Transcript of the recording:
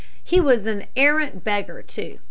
He was an arrant beggar too.